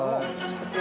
こちら。